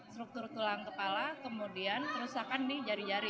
struktur tulang kepala kemudian kerusakan di jari jari